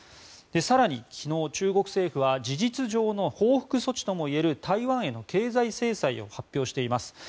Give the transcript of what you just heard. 更に、昨日、中国政府は事実上の報復措置ともいえる台湾への経済制裁を発表しています。